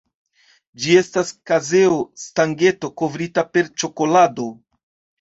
Ĝi estas kazeo-stangeto kovrita per ĉokolado.